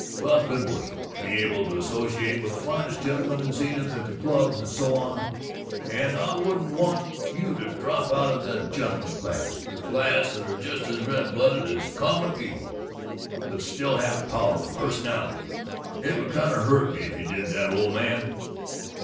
Well, it's been worth it, to be able to associate with the finest gentlemen in Zenith, at the clubs and so on, and I wouldn't want you to drop out of the gentlemen class the class that are just as red blooded as the Common People but still have power and personality. It would kind of hurt me if you did that, old man!"